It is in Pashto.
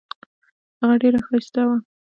هغه ډیره ښایسته وه.